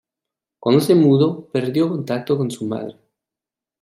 Cuando se mudó perdió contacto con su madre.